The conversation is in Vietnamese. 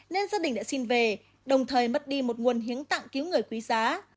nên gia đình đã xin về đồng thời mất đi một nguồn hiến tặng cứu người quý giá